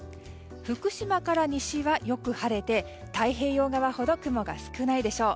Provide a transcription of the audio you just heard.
福島から西はよく晴れて、太平洋側ほど雲が少ないでしょう。